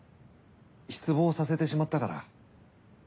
失望させてしまったから。